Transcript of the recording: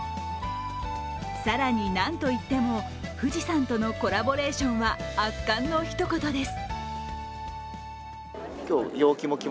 更に、何といっても富士山とのコラボレーションは圧巻の一言です。